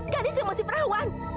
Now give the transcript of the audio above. gadis yang masih perawan